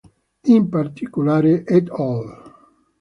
In particolare, "et al.